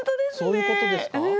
そういうことですか。